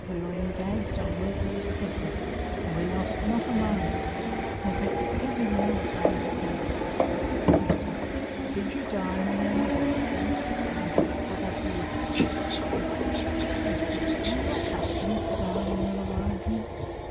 We were engaged on work that was pressing, and we lost not a moment, neglecting everything else on that account. "Q. Did you dine in the laboratory? "A. For that reason. "Q. Are you accustomed to dine in the laboratory?